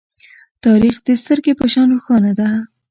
تاریخ د سترگې په شان روښانه ده.